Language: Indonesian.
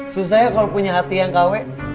susah ya kalo punya hati yang kawet